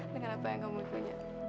dengan apa yang kamu munculnya